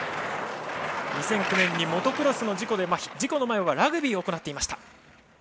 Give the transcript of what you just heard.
２００９年にモトクロスの事故で事故の前はラグビーを行っていました。